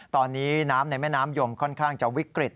ตอนนี้น้ำในแม่น้ำยมค่อนข้างจะวิกฤต